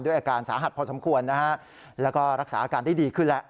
อาการสาหัสพอสมควรนะฮะแล้วก็รักษาอาการได้ดีขึ้นแล้ว